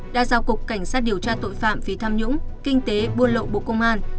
đã giao cục cảnh sát điều tra tội phạm vì tham nhũng kinh tế buôn lậu bộ công an